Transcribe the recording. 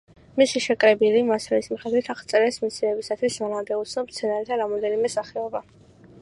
მისი შეკრებილი მასალის მიხედვით აღწერეს მეცნიერებისათვის მანამდე უცნობ მცენარეთა რამდენიმე სახეობა.